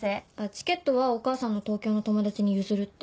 チケットはお母さんの東京の友達に譲るって。